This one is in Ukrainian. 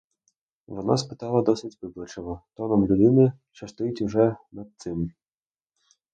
Вона спитала досить вибачливо, тоном людини, що стоїть уже над цим.